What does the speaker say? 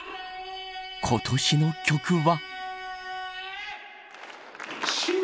今年の曲は。